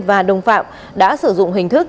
và đồng phạm đã sử dụng hình thức